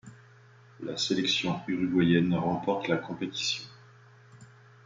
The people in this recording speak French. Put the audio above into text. La sélection uruguayenne remporte la compétition.